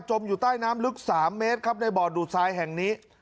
อยู่ใต้น้ำลึก๓เมตรครับในบ่อดูดทรายแห่งนี้